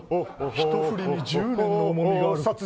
ひと振りに１０年の重みがある。